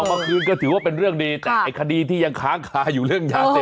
เมื่อคืนก็ถือว่าเป็นเรื่องดีแต่ไอ้คดีที่ยังค้างคาอยู่เรื่องยาเสพ